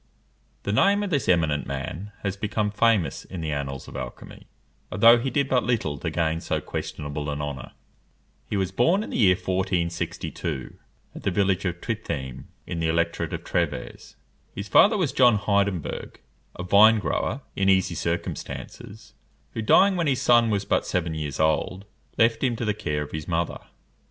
The name of this eminent man has become famous in the annals of alchymy, although he did but little to gain so questionable an honour. He was born in the year 1462, at the village of Trittheim, in the electorate of Trèves. His father was John Heidenberg, a vine grower, in easy circumstances, who, dying when his son was but seven years old, left him to the care of his mother.